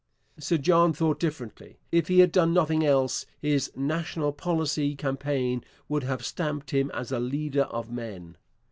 Sir John thought differently. If he had done nothing else, his 'National Policy' campaign would have stamped him as a leader of men.